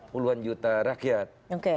puluhan juta rakyat